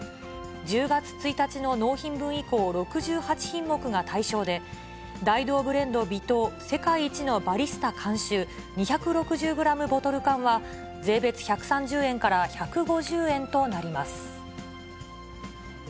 １０月１日の納品分以降、６８品目が対象で、ダイドーブレンド微糖世界一のバリスタ監修２６０グラムボトル缶は、税別１３０円から１５０円となります。